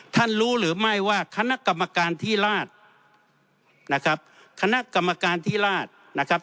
ท่านรู้หรือไม่ว่าคณะกรรมการที่ราช